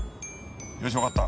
よしわかった。